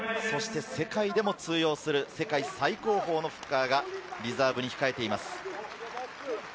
世界でも通用する世界最高峰のフッカーがリザーブに控えています。